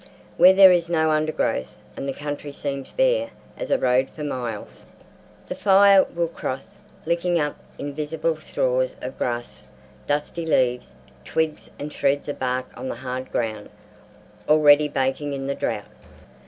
Where there is no undergrowth, and the country seems bare as a road for miles, the fire will cross, licking up invisible straws of grass, dusty leaves, twigs and shreds of bark on the hard ground already baking in the drought.